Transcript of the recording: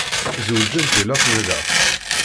Zewǧent deg Las Vegas.